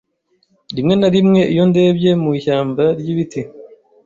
Rimwe na rimwe, iyo ndebye mu ishyamba ryibiti,